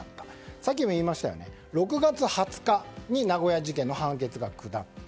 さっきも言いましたように６月２０日に名古屋事件の判決が下った。